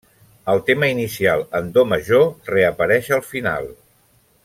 El tema inicial en do major reapareix al final.